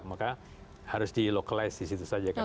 maka harus di localize di situ saja kan